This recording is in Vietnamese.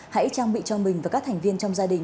hãy trang bị cho mình và các thành viên trong gia đình